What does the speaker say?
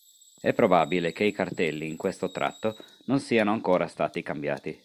È probabile che i cartelli in questo tratto non siano ancora stati cambiati.